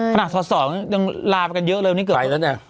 ขนาดสอสอยังลาไปกันเยอะเลยวันนี้เกือบไปแล้วเนี่ย